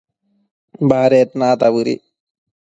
baded neta bëdic